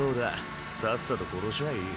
さっさと殺しゃあいい。